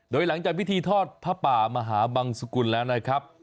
โดยหลังจากพิธีทอดผ้าป่ามหาบังสุกุลแล้วนะครับ